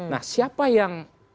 nah siapa yang